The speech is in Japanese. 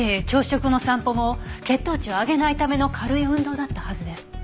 朝食の散歩も血糖値を上げないための軽い運動だったはずです。